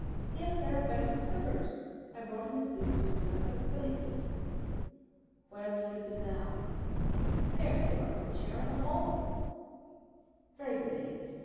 He had a pair of bedroom slippers. I brought him his boots when he went for the police." "Where are the slippers now?" "They are still under the chair in the hall." "Very good, Ames.